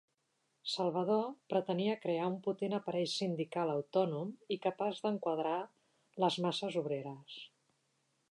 Salvador pretenia crear un potent aparell sindical autònom i capaç d'enquadrar les masses obreres.